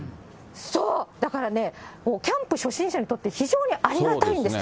そう、だからね、キャンプ初心者にとって非常にありがたいんです。